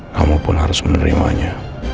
kamu pun harus menerimanya